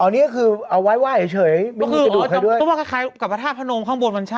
อ๋อนี่คือเอาไว้ไหว้เฉยไม่มีกระดูกใครด้วย